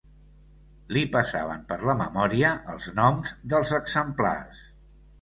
Li passaven per la memòria els noms dels exemplars